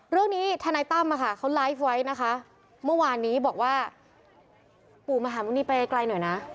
เรื่องนี้ท่านนายตั้มนะคะเขาไลฟ์ไว้นะคะเมื่อวานนี้บอกว่าปู่มหามุณีไปไกลหน่อยนะ